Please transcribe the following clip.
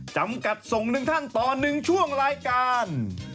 จำกัดส่งหนึ่งท่านต่อ๑ช่วงรายการ